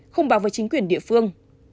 không bảo với chính quyền địa phương